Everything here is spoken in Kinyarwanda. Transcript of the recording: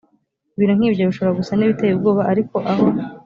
ibintu nk ibyo bishobora gusa n ibiteye ubwoba ariko aho